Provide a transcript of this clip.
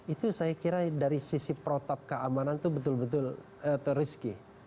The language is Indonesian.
itu saya kira dari sisi protap keamanan itu betul betul terriski